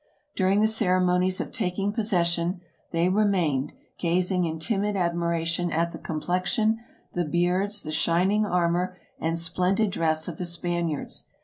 During the ceremonies of taking possession, they remained gazing in timid admiration at the complexion, the beards, the shining armor and splendid dress of the Spaniards.